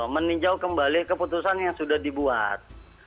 meninjau kembali keputusan yang sudah dibuat